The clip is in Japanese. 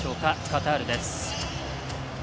カタールです。